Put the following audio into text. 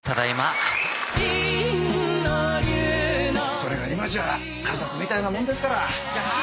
「それが今じゃあ家族みたいなもんですから」